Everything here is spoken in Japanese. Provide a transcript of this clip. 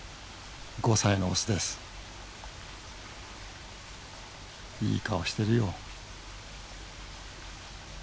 ５歳のオスですいい顔してるよ